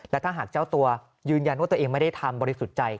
และถ้าหากเจ้าตัวยืนยันว่าตัวเองไม่ได้ทำบริสุทธิ์ใจ